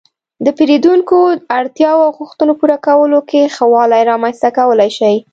-د پېرېدونکو اړتیاو او غوښتنو پوره کولو کې ښه والی رامنځته کولای شئ